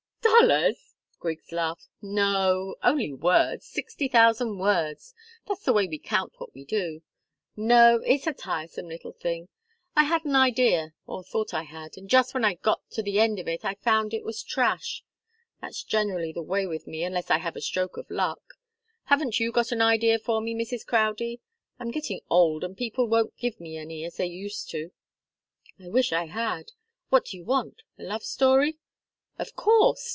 "Dollars!" Griggs laughed. "No only words. Sixty thousand words. That's the way we count what we do. No it's a tiresome little thing. I had an idea, or thought I had, and just when I got to the end of it I found it was trash. That's generally the way with me, unless I have a stroke of luck. Haven't you got an idea for me, Mrs. Crowdie? I'm getting old and people won't give me any, as they used to." "I wish I had! What do you want? A love story?" "Of course.